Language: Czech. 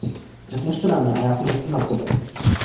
Řekneš to na mě a já to řeknu na tebe!